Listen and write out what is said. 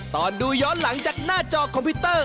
ตอนดูย้อนหลังจากหน้าจอคอมพิวเตอร์